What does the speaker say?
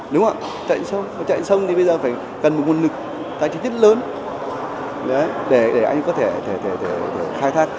đúng không ạ chạy trên sông chạy trên sông thì bây giờ cần một nguồn lực tài chính rất lớn để anh có thể khai thác